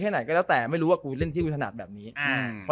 ไหนก็แล้วแต่ไม่รู้ว่ากูไปเล่นที่กูถนัดแบบนี้อืม